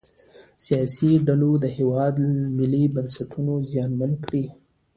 سیاسي ډلو د هیواد ملي بنسټونه زیانمن کړي دي